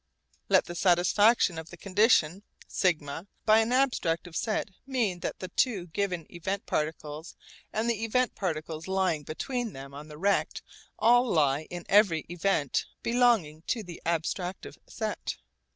Let the satisfaction of the condition σ by an abstractive set mean that the two given event particles and the event particles lying between them on the rect all lie in every event belonging to the abstractive set.